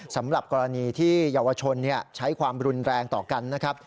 สำหรับกรณีที่เยาวชนใช้ความรุนแรงต่อกันนะครับ